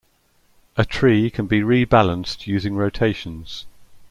A tree can be rebalanced using rotations.